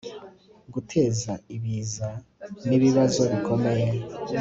guteza ibiza nibibazo bikomeye